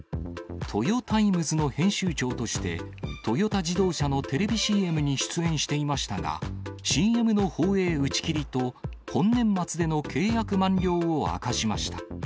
トヨタイムズの編集長として、トヨタ自動車のテレビＣＭに出演していましたが、ＣＭの放映打ち切りと、本年末での契約満了を明かしました。